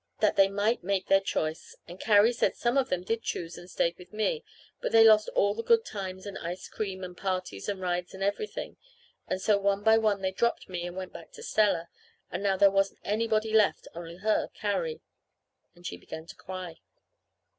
That they might take their choice. And Carrie said some of them did choose and stayed with me; but they lost all the good times and ice cream and parties and rides and everything; and so one by one they dropped me and went back to Stella, and now there wasn't anybody left, only her, Carrie. And then she began to cry.